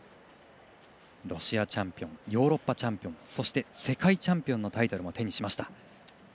ロシアチャンピオンヨーロッパチャンピオンそして世界チャンピオンのタイトルも手にしました。